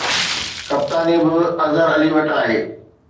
ڪپتاني به اظهر علي وٽ آهي